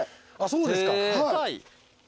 そうですか。